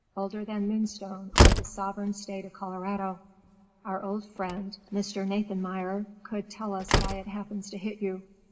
Older than Moonstone or the sovereign State of Colorado. Our old friend Mr. Nathanmeyer could tell us why it happens to hit you."